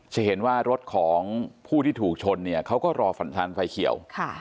จะเห็นว่ารถของผู้ที่ถูกชนเนี่ยเขาก็รอสัญญาณไฟเขียว